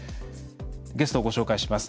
ゲストをご紹介します。